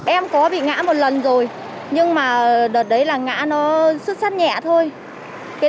em có bị ngã một lần rồi nhưng mà đợt đấy là ngã nó xuất sắc nhẹ thôi